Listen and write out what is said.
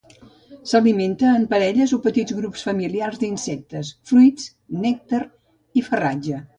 S'alimenta en parelles o petits grups familiars d'insectes, fruits, nèctar i farratge.